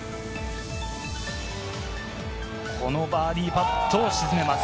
このバーディーパットを沈めます。